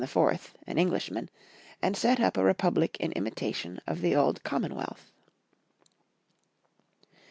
an Englishman, and set up a Republic in imitation of the old Com monwealth.